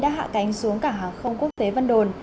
đã hạ cánh xuống cả hàng không quốc tế văn đồn